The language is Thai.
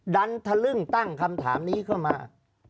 ดันทะลึ่งตั้งคำถามนี้เข้ามา